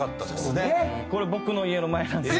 これ僕の家の前なんです。